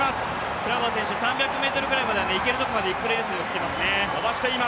クラバー選手、３００ｍぐらいまでは、いけるところまではいきそうですね。